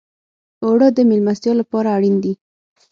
اوړه د میلمستیا لپاره اړین دي